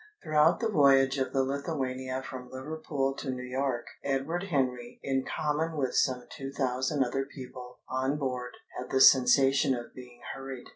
Throughout the voyage of the Lithuania from Liverpool to New York, Edward Henry, in common with some two thousand other people on board, had the sensation of being hurried.